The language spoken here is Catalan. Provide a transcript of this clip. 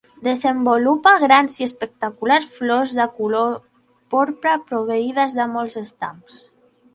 Desenvolupa grans i espectaculars flors de color porpra, proveïdes de molts estams.